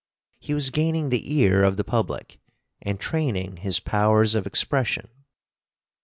He was gaining the ear of the public and training his powers of expression.